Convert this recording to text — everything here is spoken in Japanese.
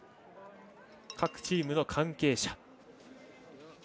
各チームの関係者。